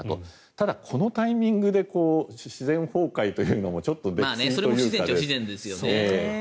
ただ、このタイミングで自然崩壊というのもそれも不自然ですよね。